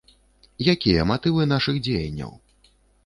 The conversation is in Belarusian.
Якія матывы нашых дзеянняў?